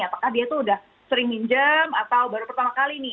apakah dia itu sudah sering pinjam atau baru pertama kali ini